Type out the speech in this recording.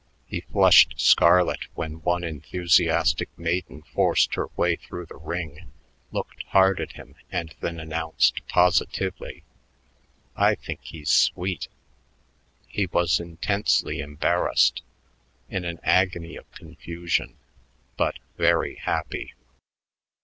He flushed scarlet when one enthusiastic maiden forced her way through the ring, looked hard at him, and then announced positively, "I think he's sweet." He was intensely embarrassed, in an agony of confusion but very happy.